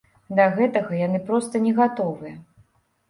Да гэтага яны проста не гатовыя.